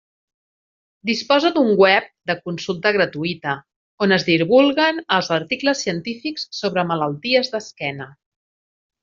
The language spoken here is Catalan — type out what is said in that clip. Disposa d'un web de consulta gratuïta, on es divulguen els articles científics sobre malalties d'esquena.